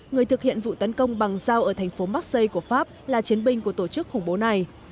người thực hiện vụ tấn công bằng dao ở thành phố maxi của pháp là chiến binh của tổ chức khủng bố này